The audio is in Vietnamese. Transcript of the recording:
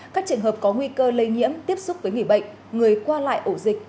các trường hợp có nguy cơ lây nhiễm tiếp xúc với người bệnh người qua lại ổ dịch